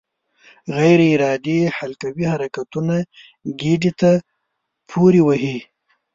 غیر ارادي حلقوي حرکتونه ګېډې ته پورې وهي.